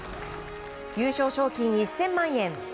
優勝賞金１０００万円。